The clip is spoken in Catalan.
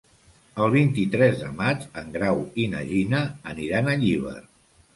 El vint-i-tres de maig en Grau i na Gina aniran a Llíber.